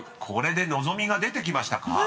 これで望みが出てきましたか？］